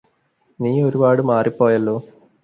നീ ഒരുപാട് മാറിപോയല്ലോ